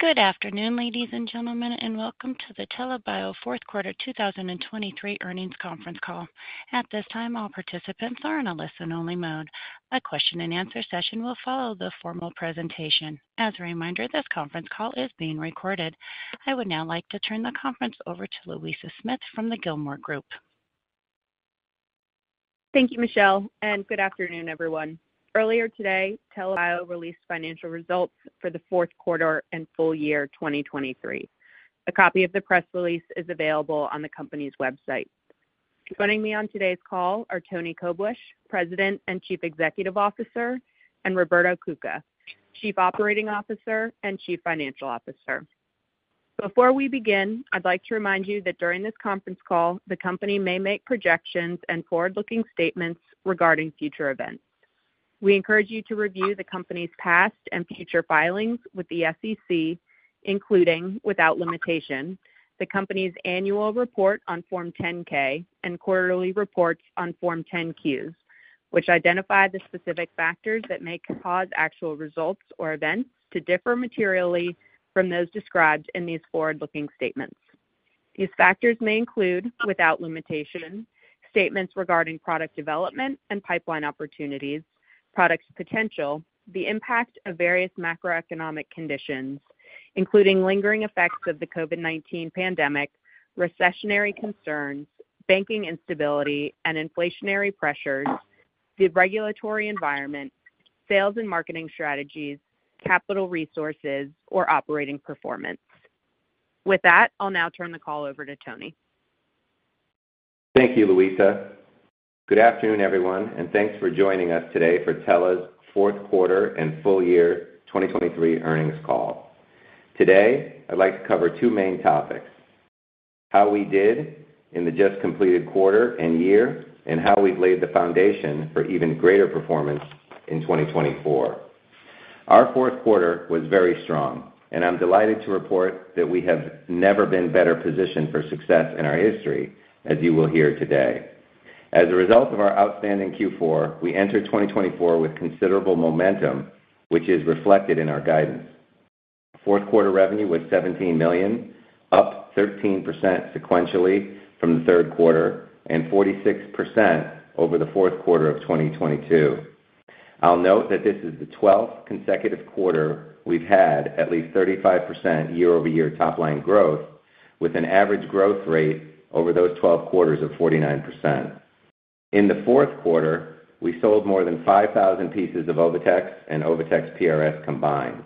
Good afternoon, ladies and gentlemen, and welcome to the TELA Bio fourth quarter 2023 earnings conference call. At this time, all participants are in a listen-only mode. A question-and-answer session will follow the formal presentation. As a reminder, this conference call is being recorded. I would now like to turn the conference over to Louisa Smith from the Gilmartin Group. Thank you, Michelle, and good afternoon, everyone. Earlier today, TELA Bio released financial results for the fourth quarter and full year 2023. A copy of the press release is available on the company's website. Joining me on today's call are Tony Koblish, President and Chief Executive Officer, and Roberto Cuca, Chief Operating Officer and Chief Financial Officer. Before we begin, I'd like to remind you that during this conference call, the company may make projections and forward-looking statements regarding future events. We encourage you to review the company's past and future filings with the SEC, including, without limitation, the company's annual report on Form 10-K and quarterly reports on Form 10-Qs, which identify the specific factors that may cause actual results or events to differ materially from those described in these forward-looking statements. These factors may include, without limitation, statements regarding product development and pipeline opportunities, product potential, the impact of various macroeconomic conditions, including lingering effects of the COVID-19 pandemic, recessionary concerns, banking instability and inflationary pressures, the regulatory environment, sales and marketing strategies, capital resources, or operating performance. With that, I'll now turn the call over to Tony. Thank you, Louisa. Good afternoon, everyone, and thanks for joining us today for TELA's fourth quarter and full year 2023 earnings call. Today, I'd like to cover two main topics: how we did in the just completed quarter and year, and how we've laid the foundation for even greater performance in 2024. Our fourth quarter was very strong, and I'm delighted to report that we have never been better positioned for success in our history, as you will hear today. As a result of our outstanding Q4, we entered 2024 with considerable momentum, which is reflected in our guidance. Fourth quarter revenue was $17 million, up 13% sequentially from the third quarter and 46% over the fourth quarter of 2022. I'll note that this is the 12th consecutive quarter we've had at least 35% year-over-year top-line growth, with an average growth rate over those 12 quarters of 49%. In the fourth quarter, we sold more than 5,000 pieces of OviTex and OviTex PRS combined,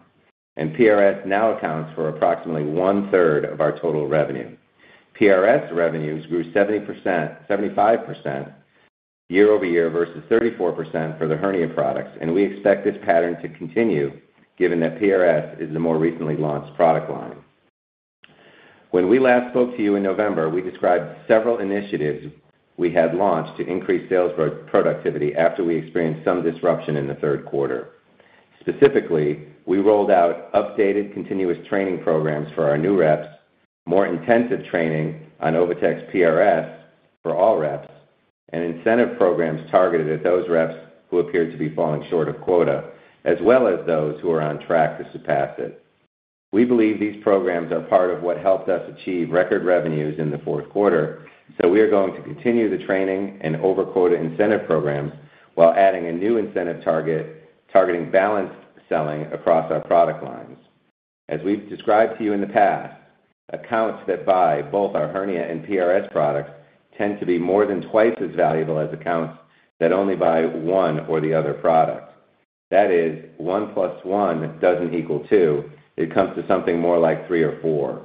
and PRS now accounts for approximately one-third of our total revenue. PRS revenues grew 75% year-over-year versus 34% for the hernia products, and we expect this pattern to continue given that PRS is the more recently launched product line. When we last spoke to you in November, we described several initiatives we had launched to increase sales productivity after we experienced some disruption in the third quarter. Specifically, we rolled out updated continuous training programs for our new reps, more intensive training on OviTex PRS for all reps, and incentive programs targeted at those reps who appeared to be falling short of quota, as well as those who are on track to surpass it. We believe these programs are part of what helped us achieve record revenues in the fourth quarter, so we are going to continue the training and over-quota incentive programs while adding a new incentive target targeting balanced selling across our product lines. As we've described to you in the past, accounts that buy both our hernia and PRS products tend to be more than twice as valuable as accounts that only buy one or the other product. That is, one plus one doesn't equal two. It comes to something more like three or four.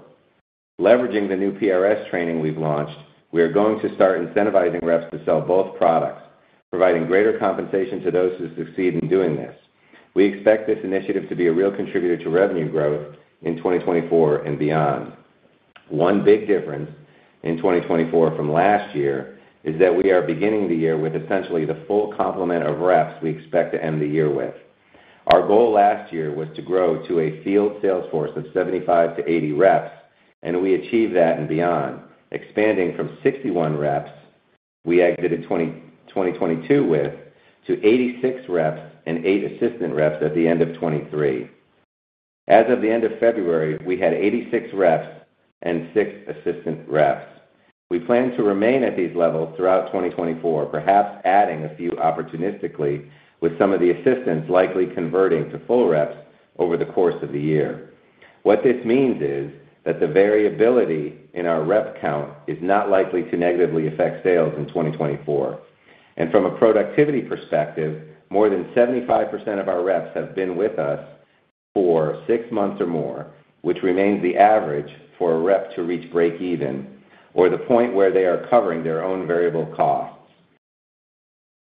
Leveraging the new PRS training we've launched, we are going to start incentivizing reps to sell both products, providing greater compensation to those who succeed in doing this. We expect this initiative to be a real contributor to revenue growth in 2024 and beyond. One big difference in 2024 from last year is that we are beginning the year with essentially the full complement of reps we expect to end the year with. Our goal last year was to grow to a field sales force of 75-80 reps, and we achieved that and beyond, expanding from 61 reps we exited 2022 with to 86 reps and 8 assistant reps at the end of 2023. As of the end of February, we had 86 reps and 6 assistant reps. We plan to remain at these levels throughout 2024, perhaps adding a few opportunistically with some of the assistants likely converting to full reps over the course of the year. What this means is that the variability in our rep count is not likely to negatively affect sales in 2024. From a productivity perspective, more than 75% of our reps have been with us for six months or more, which remains the average for a rep to reach break-even or the point where they are covering their own variable costs.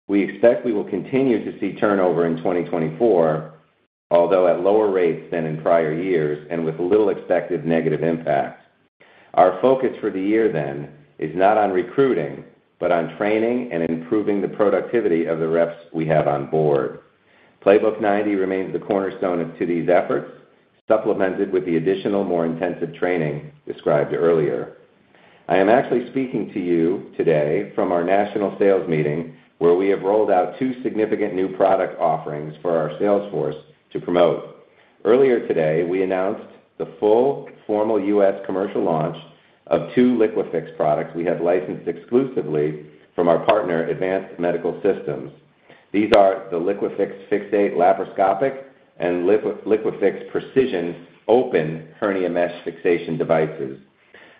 We expect we will continue to see turnover in 2024, although at lower rates than in prior years and with little expected negative impact. Our focus for the year, then, is not on recruiting but on training and improving the productivity of the reps we have on board. Playbook 90 remains the cornerstone to these efforts, supplemented with the additional more intensive training described earlier. I am actually speaking to you today from our national sales meeting where we have rolled out two significant new product offerings for our sales force to promote. Earlier today, we announced the full formal U.S. commercial launch of two LIQUIFIX products we have licensed exclusively from our partner, Advanced Medical Solutions. These are the LIQUIFIX FIX8 laparoscopic and LIQUIFIX Precision open hernia mesh fixation devices.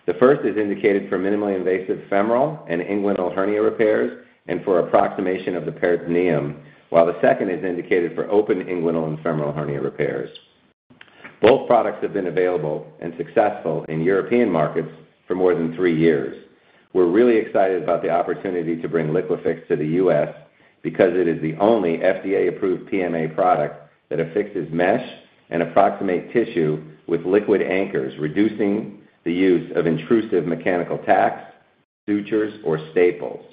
The first is indicated for minimally invasive femoral and inguinal hernia repairs and for approximation of the peritoneum, while the second is indicated for open inguinal and femoral hernia repairs. Both products have been available and successful in European markets for more than three years. We're really excited about the opportunity to bring LIQUIFIX to the U.S. because it is the only FDA-approved PMA product that affixes mesh and approximate tissue with liquid anchors, reducing the use of intrusive mechanical tacks, sutures, or staples.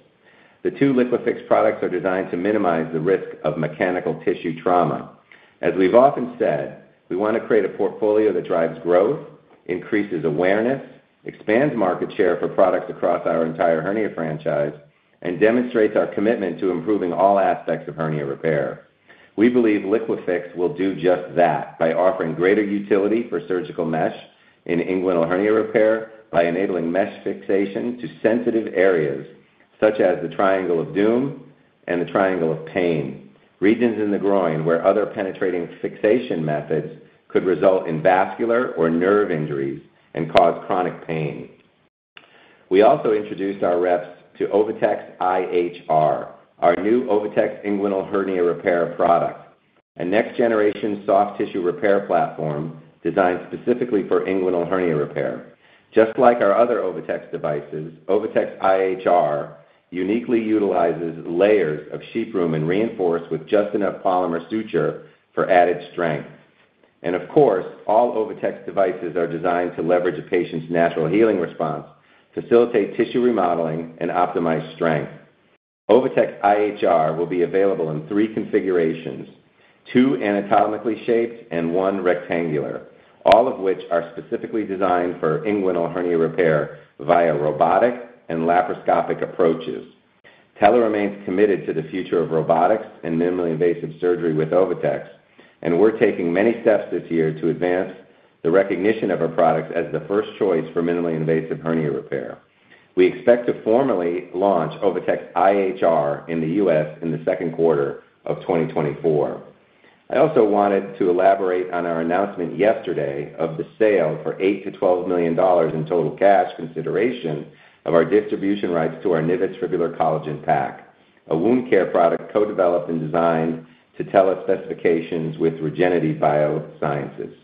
The two LIQUIFIX products are designed to minimize the risk of mechanical tissue trauma. As we've often said, we want to create a portfolio that drives growth, increases awareness, expands market share for products across our entire hernia franchise, and demonstrates our commitment to improving all aspects of hernia repair. We believe LIQUIFIX will do just that by offering greater utility for surgical mesh in inguinal hernia repair by enabling mesh fixation to sensitive areas such as the Triangle of Doom and the Triangle of Pain, regions in the groin where other penetrating fixation methods could result in vascular or nerve injuries and cause chronic pain. We also introduced our reps to OviTex IHR, our new OviTex inguinal hernia repair product, a next-generation soft tissue repair platform designed specifically for inguinal hernia repair. Just like our other OviTex devices, OviTex IHR uniquely utilizes layers of sheep wool and reinforced with just enough polymer suture for added strength. Of course, all OviTex devices are designed to leverage a patient's natural healing response, facilitate tissue remodeling, and optimize strength. OviTex IHR will be available in three configurations: two anatomically shaped and one rectangular, all of which are specifically designed for inguinal hernia repair via robotic and laparoscopic approaches. TELA remains committed to the future of robotics and minimally invasive surgery with OviTex, and we're taking many steps this year to advance the recognition of our products as the first choice for minimally invasive hernia repair. We expect to formally launch OviTex IHR in the U.S. in the second quarter of 2024. I also wanted to elaborate on our announcement yesterday of the sale for $8-$12 million in total cash consideration of our distribution rights to our NIVIS fibrillar collagen pack, a wound care product co-developed and designed to TELA specifications with Regenity Biosciences.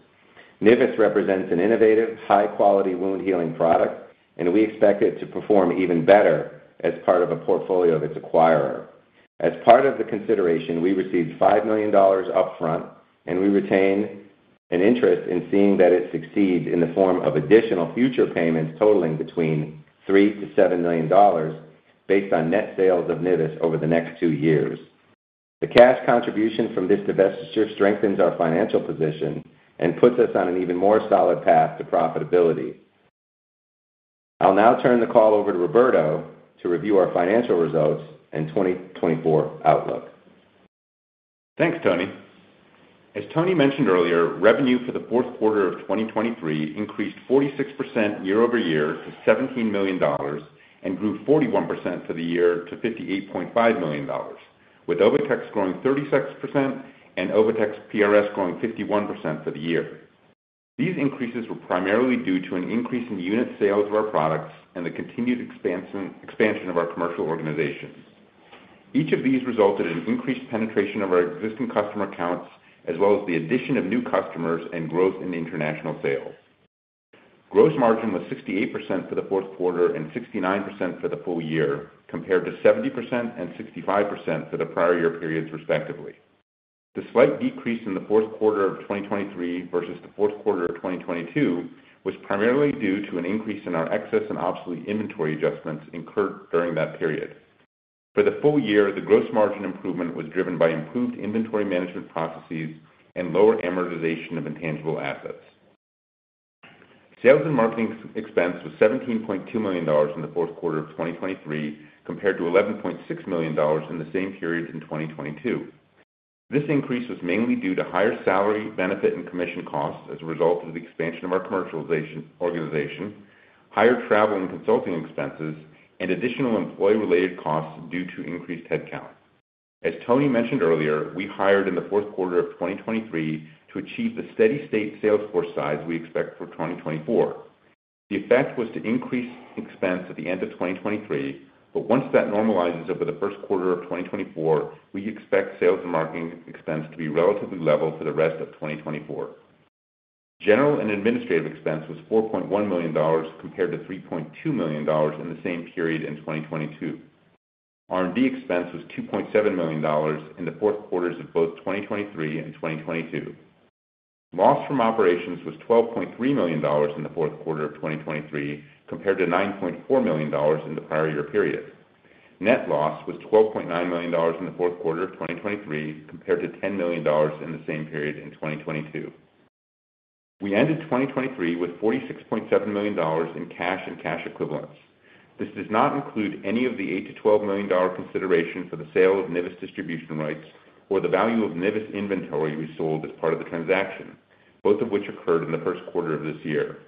NIVIS represents an innovative, high-quality wound-healing product, and we expect it to perform even better as part of a portfolio of its acquirer. As part of the consideration, we received $5 million upfront, and we retain an interest in seeing that it succeeds in the form of additional future payments totaling between $3-$7 million based on net sales of NIVIS over the next two years. The cash contribution from this investment strengthens our financial position and puts us on an even more solid path to profitability. I'll now turn the call over to Roberto to review our financial results and 2024 outlook. Thanks, Tony. As Tony mentioned earlier, revenue for the fourth quarter of 2023 increased 46% year-over-year to $17 million and grew 41% for the year to $58.5 million, with OviTex growing 36% and OviTex PRS growing 51% for the year. These increases were primarily due to an increase in unit sales of our products and the continued expansion of our commercial organization. Each of these resulted in increased penetration of our existing customer accounts as well as the addition of new customers and growth in international sales. Gross margin was 68% for the fourth quarter and 69% for the full year, compared to 70% and 65% for the prior year periods, respectively. The slight decrease in the fourth quarter of 2023 versus the fourth quarter of 2022 was primarily due to an increase in our excess and obsolete inventory adjustments incurred during that period. For the full year, the gross margin improvement was driven by improved inventory management processes and lower amortization of intangible assets. Sales and marketing expense was $17.2 million in the fourth quarter of 2023, compared to $11.6 million in the same period in 2022. This increase was mainly due to higher salary benefit and commission costs as a result of the expansion of our commercial organization, higher travel and consulting expenses, and additional employee-related costs due to increased headcount. As Tony mentioned earlier, we hired in the fourth quarter of 2023 to achieve the steady-state sales force size we expect for 2024. The effect was to increase expense at the end of 2023, but once that normalizes over the first quarter of 2024, we expect sales and marketing expense to be relatively level for the rest of 2024. General and administrative expense was $4.1 million, compared to $3.2 million in the same period in 2022. R&D expense was $2.7 million in the fourth quarters of both 2023 and 2022. Loss from operations was $12.3 million in the fourth quarter of 2023, compared to $9.4 million in the prior year period. Net loss was $12.9 million in the fourth quarter of 2023, compared to $10 million in the same period in 2022. We ended 2023 with $46.7 million in cash and cash equivalents. This does not include any of the $8-$12 million consideration for the sale of NIVIS distribution rights or the value of NIVIS inventory we sold as part of the transaction, both of which occurred in the first quarter of this year.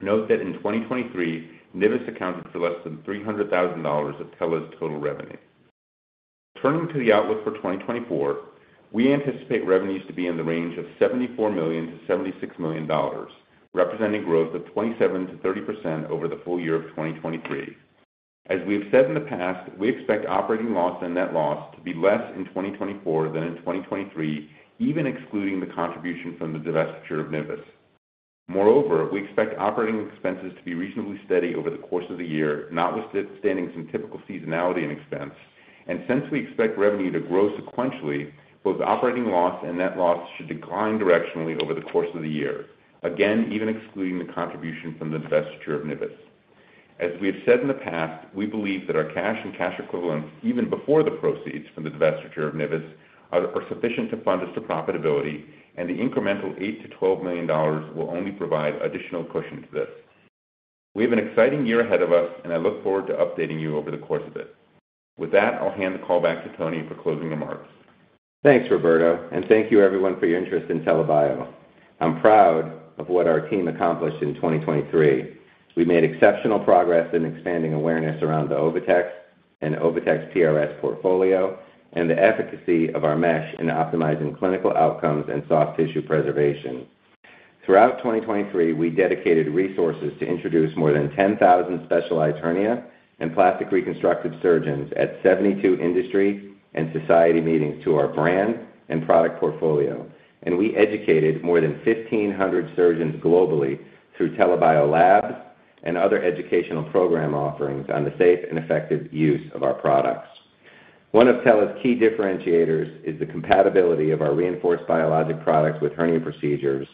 Note that in 2023, NIVIS accounted for less than $300,000 of TELA's total revenue. Turning to the outlook for 2024, we anticipate revenues to be in the range of $74 million-$76 million, representing growth of 27%-30% over the full year of 2023. As we have said in the past, we expect operating loss and net loss to be less in 2024 than in 2023, even excluding the contribution from the divestiture of NIVIS. Moreover, we expect operating expenses to be reasonably steady over the course of the year, notwithstanding some typical seasonality in expense. And since we expect revenue to grow sequentially, both operating loss and net loss should decline directionally over the course of the year, again, even excluding the contribution from the divestiture of NIVIS. As we have said in the past, we believe that our cash and cash equivalents, even before the proceeds from the divestiture of NIVIS, are sufficient to fund us to profitability, and the incremental $8-$12 million will only provide additional cushion to this. We have an exciting year ahead of us, and I look forward to updating you over the course of it. With that, I'll hand the call back to Tony for closing remarks. Thanks, Roberto, and thank you, everyone, for your interest in TELA Bio. I'm proud of what our team accomplished in 2023. We made exceptional progress in expanding awareness around the OviTex and OviTex PRS portfolio and the efficacy of our mesh in optimizing clinical outcomes and soft tissue preservation. Throughout 2023, we dedicated resources to introduce more than 10,000 specialized hernia and plastic reconstructive surgeons at 72 industry and society meetings to our brand and product portfolio. We educated more than 1,500 surgeons globally through TELA Bio Labs and other educational program offerings on the safe and effective use of our products. One of TELA's key differentiators is the compatibility of our reinforced biologic products with hernia procedures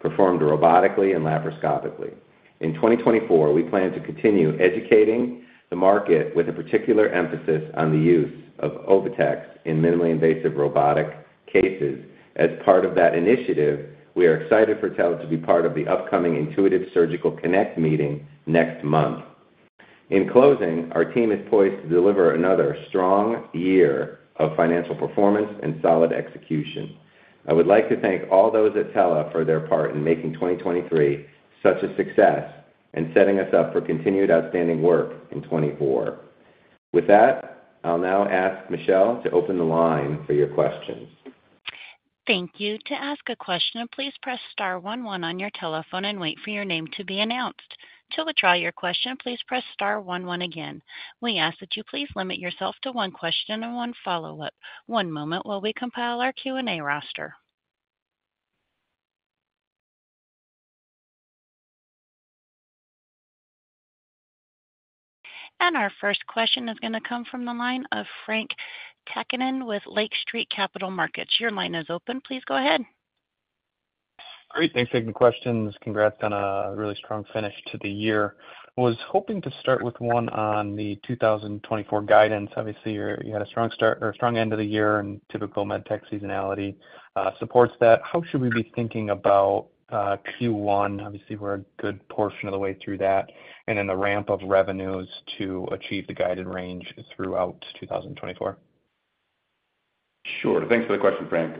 performed robotically and laparoscopically. In 2024, we plan to continue educating the market with a particular emphasis on the use of OviTex in minimally invasive robotic cases. As part of that initiative, we are excited for TELA to be part of the upcoming Intuitive Surgical Connect meeting next month. In closing, our team is poised to deliver another strong year of financial performance and solid execution. I would like to thank all those at TELA for their part in making 2023 such a success and setting us up for continued outstanding work in 2024. With that, I'll now ask Michelle to open the line for your questions. Thank you. To ask a question, please press star 11 on your telephone and wait for your name to be announced. To withdraw your question, please press star 11 again. We ask that you please limit yourself to one question and one follow-up. One moment while we compile our Q&A roster. Our first question is going to come from the line of Frank Takkinen with Lake Street Capital Markets. Your line is open. Please go ahead. All right. Thanks for taking the questions. Congrats on a really strong finish to the year. I was hoping to start with one on the 2024 guidance. Obviously, you had a strong start or a strong end of the year and typical MedTech seasonality supports that. How should we be thinking about Q1? Obviously, we're a good portion of the way through that and in the ramp of revenues to achieve the guided range throughout 2024. Sure. Thanks for the question, Frank.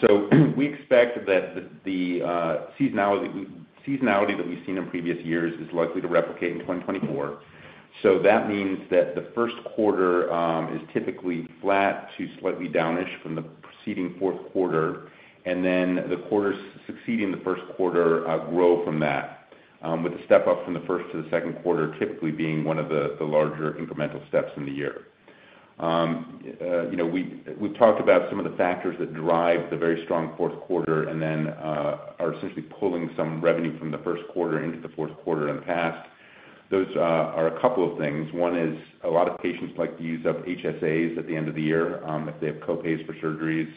So we expect that the seasonality that we've seen in previous years is likely to replicate in 2024. So that means that the first quarter is typically flat to slightly downish from the preceding fourth quarter, and then the quarters succeeding the first quarter grow from that, with the step up from the first to the second quarter typically being one of the larger incremental steps in the year. We've talked about some of the factors that drive the very strong fourth quarter and then are essentially pulling some revenue from the first quarter into the fourth quarter in the past. Those are a couple of things. One is a lot of patients like to use up HSAs at the end of the year if they have copays for surgeries.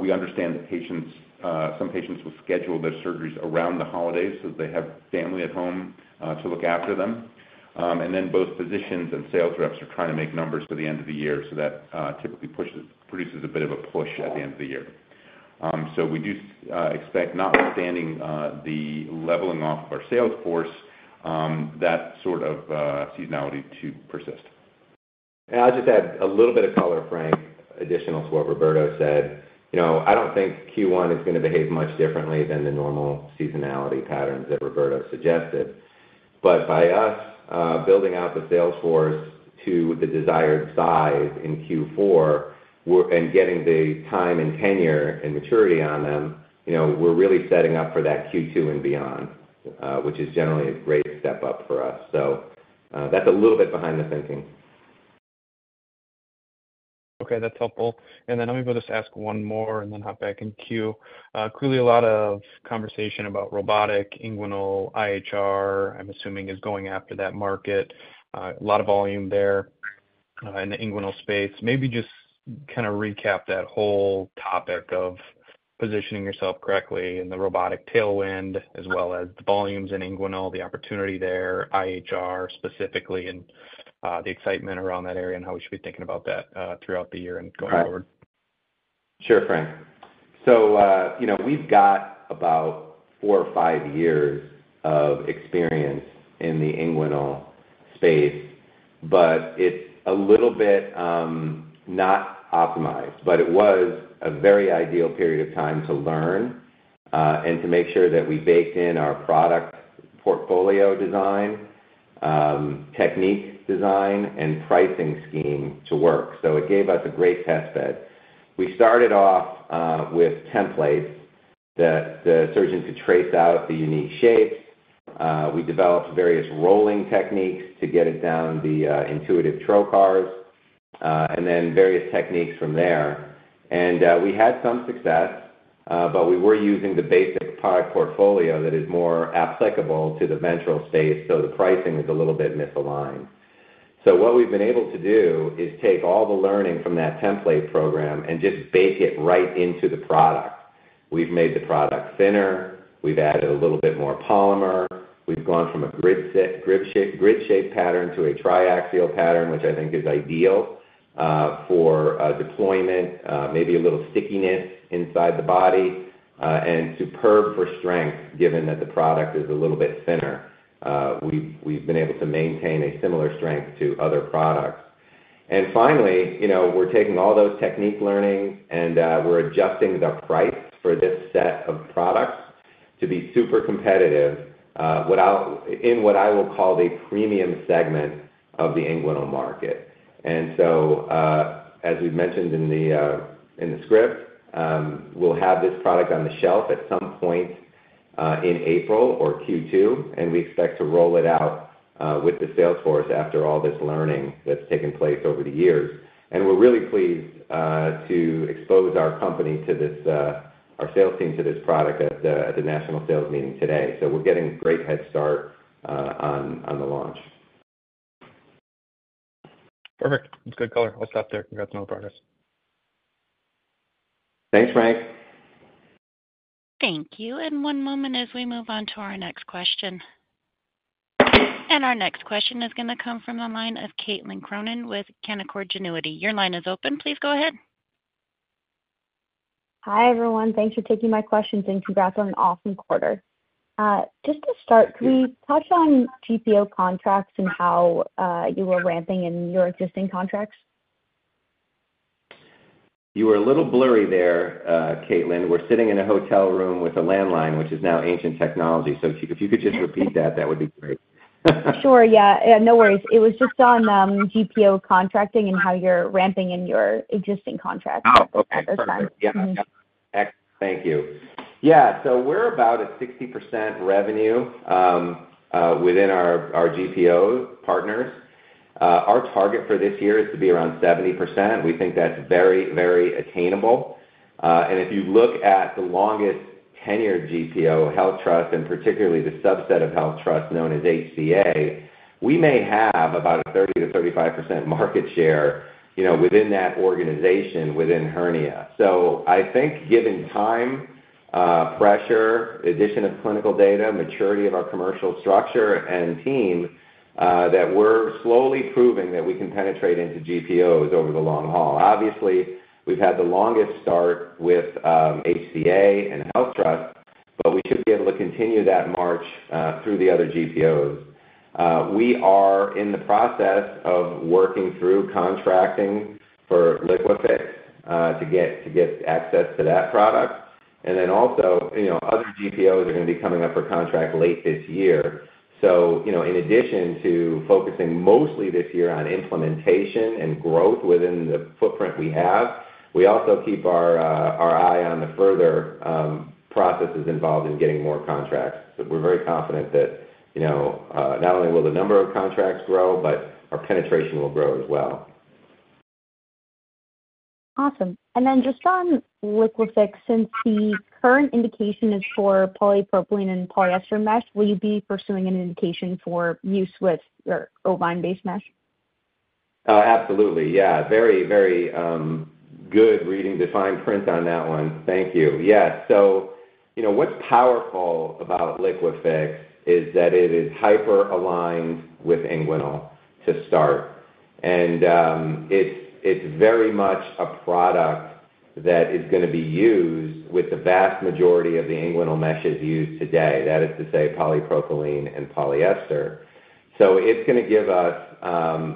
We understand that some patients will schedule their surgeries around the holidays so that they have family at home to look after them. And then both physicians and sales reps are trying to make numbers for the end of the year, so that typically produces a bit of a push at the end of the year. So we do expect, notwithstanding the leveling off of our sales force, that sort of seasonality to persist. I'll just add a little bit of color, Frank, additional to what Roberto said. I don't think Q1 is going to behave much differently than the normal seasonality patterns that Roberto suggested. But by us building out the sales force to the desired size in Q4 and getting the time and tenure and maturity on them, we're really setting up for that Q2 and beyond, which is generally a great step up for us. So that's a little bit behind the thinking. Okay. That's helpful. And then let me just ask one more and then hop back in queue. Clearly, a lot of conversation about robotic, inguinal, IHR, I'm assuming, is going after that market. A lot of volume there in the inguinal space. Maybe just kind of recap that whole topic of positioning yourself correctly and the robotic tailwind as well as the volumes in inguinal, the opportunity there, IHR specifically, and the excitement around that area and how we should be thinking about that throughout the year and going forward. Sure, Frank. So we've got about 4 or 5 years of experience in the inguinal space, but it's a little bit not optimized. But it was a very ideal period of time to learn and to make sure that we baked in our product portfolio design, technique design, and pricing scheme to work. So it gave us a great test bed. We started off with templates that the surgeon could trace out the unique shapes. We developed various rolling techniques to get it down the Intuitive trocars, and then various techniques from there. And we had some success, but we were using the basic product portfolio that is more applicable to the ventral space, so the pricing is a little bit misaligned. So what we've been able to do is take all the learning from that template program and just bake it right into the product. We've made the product thinner. We've added a little bit more polymer. We've gone from a grid-shaped pattern to a tri-axial pattern, which I think is ideal for deployment, maybe a little stickiness inside the body, and superb for strength, given that the product is a little bit thinner. We've been able to maintain a similar strength to other products. And finally, we're taking all those technique learnings, and we're adjusting the price for this set of products to be super competitive in what I will call the premium segment of the inguinal market. And so, as we've mentioned in the script, we'll have this product on the shelf at some point in April or Q2, and we expect to roll it out with the sales force after all this learning that's taken place over the years. We're really pleased to expose our sales team to this product at the national sales meeting today. We're getting a great head start on the launch. Perfect. That's good color. I'll stop there. Congrats on all the progress. Thanks, Frank. Thank you. And one moment as we move on to our next question. And our next question is going to come from the line of Caitlin Cronin with Canaccord Genuity. Your line is open. Please go ahead. Hi, everyone. Thanks for taking my questions, and congrats on an awesome quarter. Just to start, could we touch on GPO contracts and how you were ramping in your existing contracts? You were a little blurry there, Caitlin. We're sitting in a hotel room with a landline, which is now ancient technology. So if you could just repeat that, that would be great. Sure. Yeah. Yeah. No worries. It was just on GPO contracting and how you're ramping in your existing contracts. Oh, okay. Perfect. Yeah. Yeah. Thank you. Yeah. So we're about at 60% revenue within our GPO partners. Our target for this year is to be around 70%. We think that's very, very attainable. And if you look at the longest-tenured GPO, HealthTrust, and particularly the subset of HealthTrust known as HCA, we may have about a 30%-35% market share within that organization within hernia. So I think, given time, pressure, addition of clinical data, maturity of our commercial structure and team, that we're slowly proving that we can penetrate into GPOs over the long haul. Obviously, we've had the longest start with HCA and HealthTrust, but we should be able to continue that march through the other GPOs. We are in the process of working through contracting for LIQUIFIX to get access to that product. And then also, other GPOs are going to be coming up for contract late this year. So in addition to focusing mostly this year on implementation and growth within the footprint we have, we also keep our eye on the further processes involved in getting more contracts. So we're very confident that not only will the number of contracts grow, but our penetration will grow as well. Awesome. And then just on LIQUIFIX, since the current indication is for polypropylene and polyester mesh, will you be pursuing an indication for use with your ovine-based mesh? Absolutely. Yeah. Very, very good reading, fine print on that one. Thank you. Yes. So what's powerful about LIQUIFIX is that it is hyper-aligned with inguinal to start. And it's very much a product that is going to be used with the vast majority of the inguinal meshes used today. That is to say, polypropylene and polyester. So it's going to give us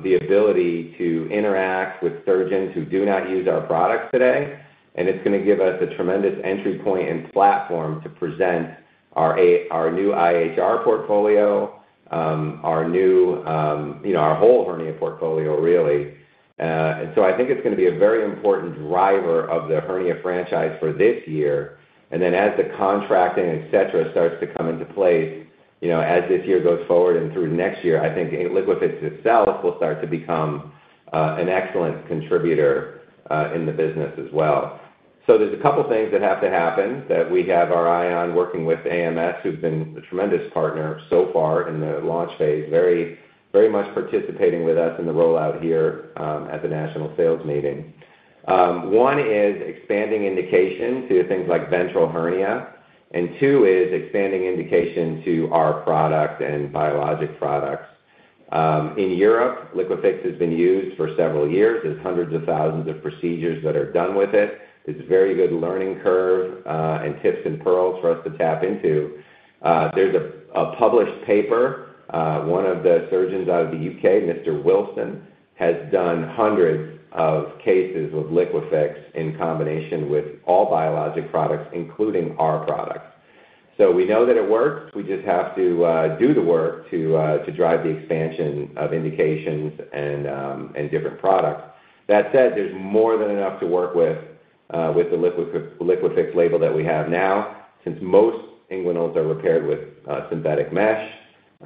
the ability to interact with surgeons who do not use our products today. And it's going to give us a tremendous entry point and platform to present our new IHR portfolio, our whole hernia portfolio, really. And so I think it's going to be a very important driver of the hernia franchise for this year. And then as the contracting, etc., starts to come into place, as this year goes forward and through next year, I think LIQUIFIX itself will start to become an excellent contributor in the business as well. So there's a couple of things that have to happen that we have our eye on, working with AMS, who've been a tremendous partner so far in the launch phase, very much participating with us in the rollout here at the national sales meeting. One is expanding indication to things like ventral hernia. And two is expanding indication to our product and biologic products. In Europe, LIQUIFIX has been used for several years. There's hundreds of thousands of procedures that are done with it. It's a very good learning curve and tips and pearls for us to tap into. There's a published paper. One of the surgeons out of the U.K., Mr. Wilson has done hundreds of cases with LIQUIFIX in combination with all biologic products, including our product. So we know that it works. We just have to do the work to drive the expansion of indications and different products. That said, there's more than enough to work with the LIQUIFIX label that we have now since most inguinals are repaired with synthetic mesh.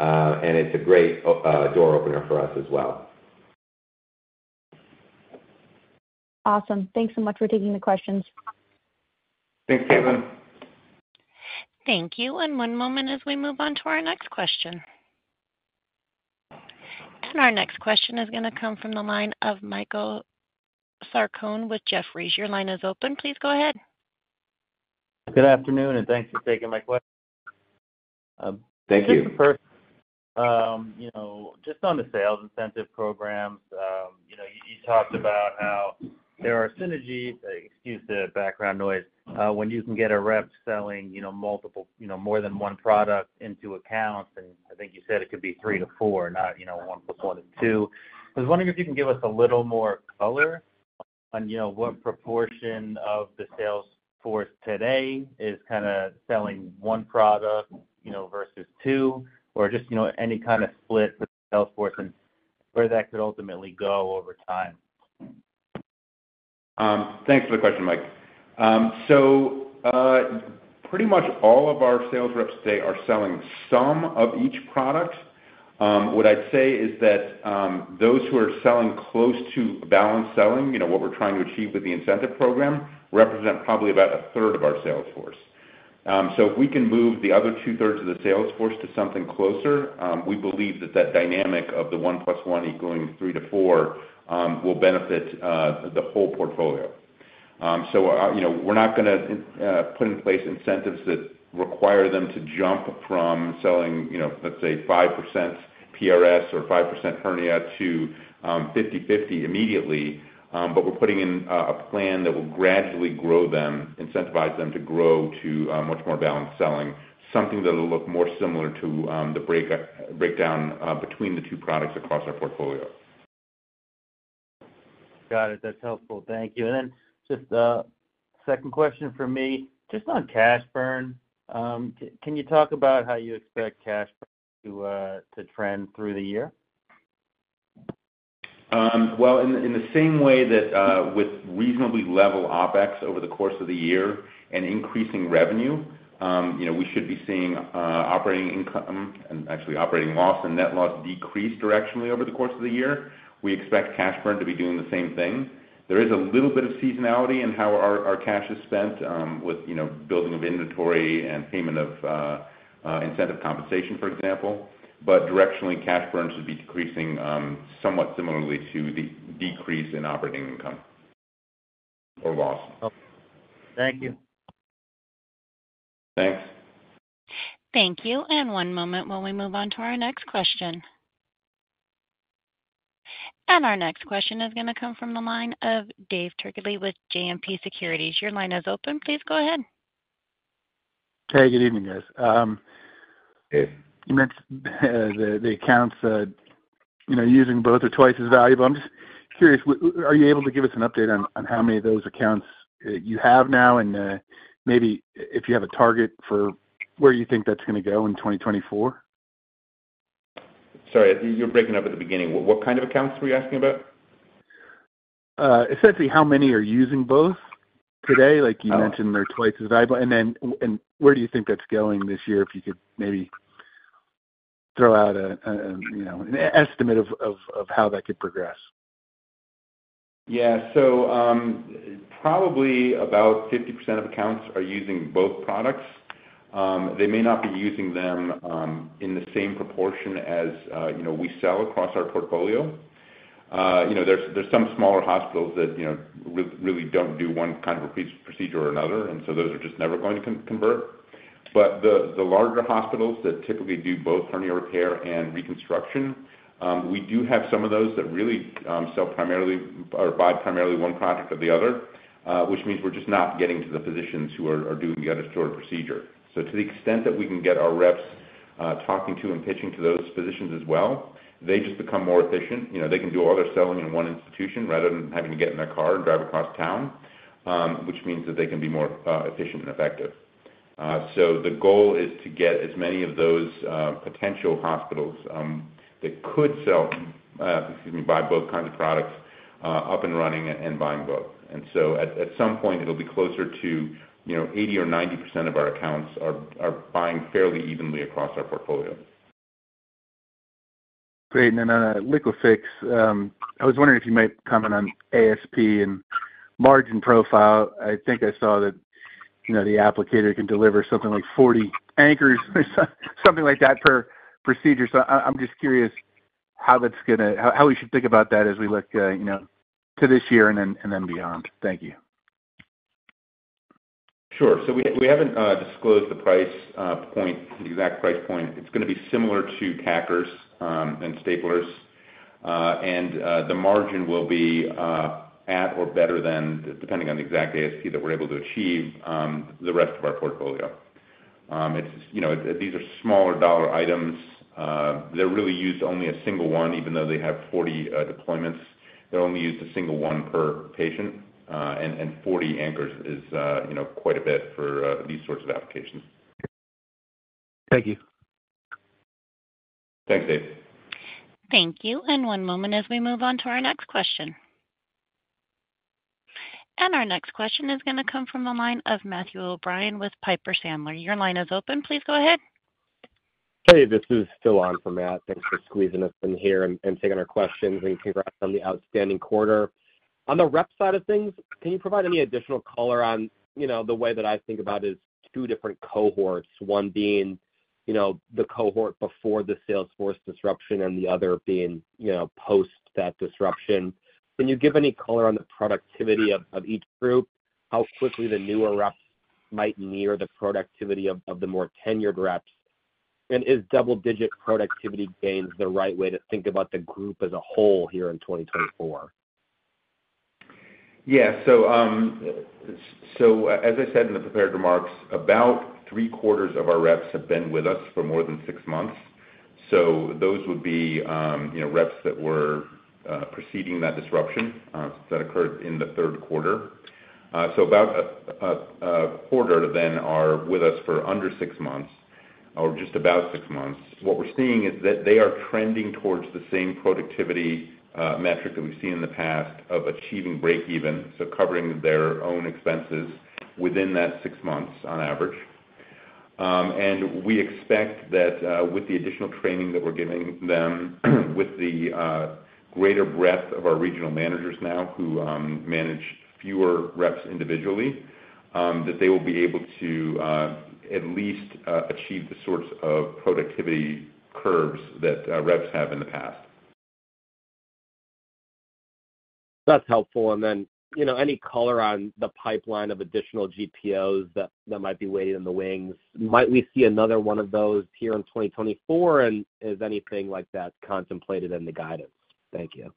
And it's a great door opener for us as well. Awesome. Thanks so much for taking the questions. Thanks, Caitlin. Thank you. One moment as we move on to our next question. Our next question is going to come from the line of Michael Sarcone with Jefferies. Your line is open. Please go ahead. Good afternoon, and thanks for taking my question. Thank you. Just on the sales incentive programs, you talked about how there are synergies, excuse the background noise, when you can get a rep selling more than one product into accounts. I think you said it could be 3-4, not 1 + 1 is 2. I was wondering if you can give us a little more color on what proportion of the sales force today is kind of selling one product versus two, or just any kind of split for the sales force and where that could ultimately go over time. Thanks for the question, Mike. So pretty much all of our sales reps today are selling some of each product. What I'd say is that those who are selling close to balanced selling, what we're trying to achieve with the incentive program, represent probably about a third of our sales force. So if we can move the other two-thirds of the sales force to something closer, we believe that that dynamic of the 1 + 1 equaling 3-4 will benefit the whole portfolio. So we're not going to put in place incentives that require them to jump from selling, let's say, 5% PRS or 5% hernia to 50/50 immediately. But we're putting in a plan that will gradually grow them, incentivize them to grow to much more balanced selling, something that will look more similar to the breakdown between the two products across our portfolio. Got it. That's helpful. Thank you. And then just a second question from me, just on cash burn, can you talk about how you expect cash burn to trend through the year? Well, in the same way that with reasonably level OPEX over the course of the year and increasing revenue, we should be seeing operating income and actually operating loss and net loss decrease directionally over the course of the year, we expect cash burn to be doing the same thing. There is a little bit of seasonality in how our cash is spent with building of inventory and payment of incentive compensation, for example. But directionally, cash burn should be decreasing somewhat similarly to the decrease in operating income or loss. Okay. Thank you. Thanks. Thank you. And one moment while we move on to our next question. And our next question is going to come from the line of Dave Turkaly with JMP Securities. Your line is open. Please go ahead. Hey, good evening, guys. You mentioned the accounts using both are twice as valuable. I'm just curious, are you able to give us an update on how many of those accounts you have now and maybe if you have a target for where you think that's going to go in 2024? Sorry, you were breaking up at the beginning. What kind of accounts were you asking about? Essentially, how many are using both today? You mentioned they're twice as valuable. And where do you think that's going this year if you could maybe throw out an estimate of how that could progress? Yeah. So probably about 50% of accounts are using both products. They may not be using them in the same proportion as we sell across our portfolio. There's some smaller hospitals that really don't do one kind of procedure or another, and so those are just never going to convert. But the larger hospitals that typically do both hernia repair and reconstruction, we do have some of those that really sell primarily or buy primarily one product or the other, which means we're just not getting to the physicians who are doing the other sort of procedure. So to the extent that we can get our reps talking to and pitching to those physicians as well, they just become more efficient. They can do all their selling in one institution rather than having to get in their car and drive across town, which means that they can be more efficient and effective. So the goal is to get as many of those potential hospitals that could sell - excuse me - buy both kinds of products up and running and buying both. And so at some point, it'll be closer to 80% or 90% of our accounts are buying fairly evenly across our portfolio. Great. Then on LIQUIFIX, I was wondering if you might comment on ASP and margin profile. I think I saw that the applicator can deliver something like 40 anchors or something like that per procedure. So I'm just curious how that's going to how we should think about that as we look to this year and then beyond. Thank you. Sure. So we haven't disclosed the exact price point. It's going to be similar to tackers and staplers. And the margin will be at or better than, depending on the exact ASP that we're able to achieve, the rest of our portfolio. These are smaller dollar items. They're really used only a single one, even though they have 40 deployments. They're only used a single one per patient. And 40 anchors is quite a bit for these sorts of applications. Thank you. Thanks, Dave. Thank you. One moment as we move on to our next question. Our next question is going to come from the line of Matthew O'Brien with Piper Sandler. Your line is open. Please go ahead. Hey, this is Phil on from Matt. Thanks for squeezing us in here and taking our questions. Congrats on the outstanding quarter. On the rep side of things, can you provide any additional color on the way that I think about as two different cohorts, one being the cohort before the sales force disruption and the other being post that disruption? Can you give any color on the productivity of each group, how quickly the newer reps might near the productivity of the more tenured reps? And is double-digit productivity gains the right way to think about the group as a whole here in 2024? Yeah. So as I said in the prepared remarks, about three-quarters of our reps have been with us for more than six months. So those would be reps that were preceding that disruption that occurred in the third quarter. So about a quarter then are with us for under six months or just about six months. What we're seeing is that they are trending towards the same productivity metric that we've seen in the past of achieving break-even, so covering their own expenses within that six months on average. And we expect that with the additional training that we're giving them, with the greater breadth of our regional managers now who manage fewer reps individually, that they will be able to at least achieve the sorts of productivity curves that reps have in the past. That's helpful. And then any color on the pipeline of additional GPOs that might be waiting in the wings? Might we see another one of those here in 2024? And is anything like that contemplated in the guidance? Thank you.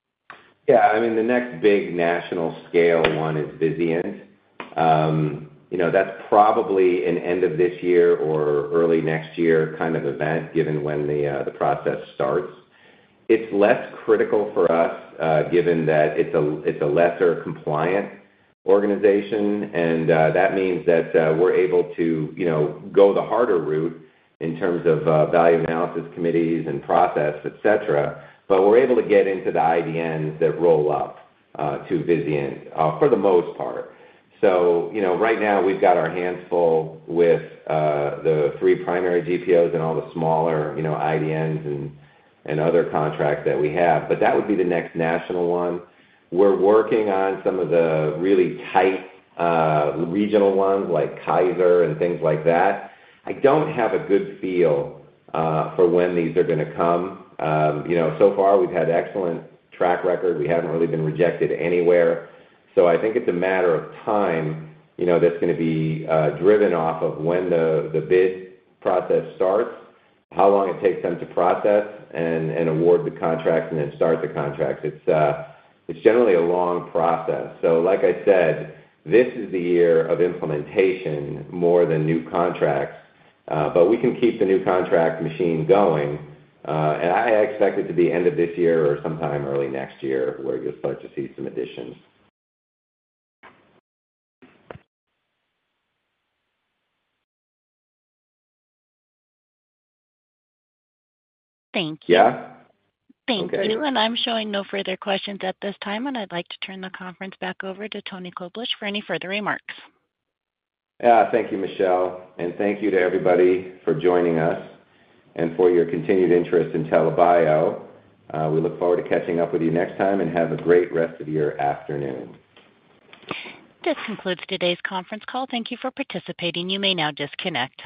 Yeah. I mean, the next big national-scale one is Vizient. That's probably an end-of-this-year or early-next-year kind of event, given when the process starts. It's less critical for us, given that it's a lesser-compliant organization. And that means that we're able to go the harder route in terms of value analysis committees and process, etc. But we're able to get into the IDNs that roll up to Vizient, for the most part. So right now, we've got our handful with the three primary GPOs and all the smaller IDNs and other contracts that we have. But that would be the next national one. We're working on some of the really tight regional ones like Kaiser and things like that. I don't have a good feel for when these are going to come. So far, we've had excellent track record. We haven't really been rejected anywhere. So I think it's a matter of time that's going to be driven off of when the bid process starts, how long it takes them to process and award the contracts, and then start the contracts. It's generally a long process. So like I said, this is the year of implementation more than new contracts. But we can keep the new contract machine going. And I expect it to be end of this year or sometime early next year where you'll start to see some additions. Thank you. Yeah? Thank you. I'm showing no further questions at this time. I'd like to turn the conference back over to Tony Koblish for any further remarks. Yeah. Thank you, Michelle. Thank you to everybody for joining us and for your continued interest in TELA Bio. We look forward to catching up with you next time and have a great rest of your afternoon. This concludes today's conference call. Thank you for participating. You may now disconnect.